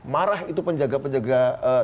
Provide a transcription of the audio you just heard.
marah itu penjaga penjaga